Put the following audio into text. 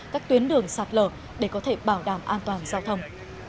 các tuyến đường sạt lở để có thể bảo đảm an toàn giao thông